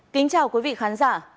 kính chào quý vị khán giả